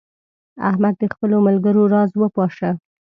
احمد د خپلو ملګرو راز وپاشه.